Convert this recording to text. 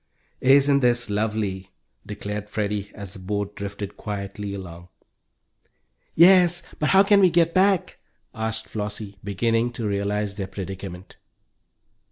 "Isn't this lovely!" declared Freddie, as the boat drifted quietly along. "Yes, but how can we get back?" asked Flossie, beginning to realize their predicament.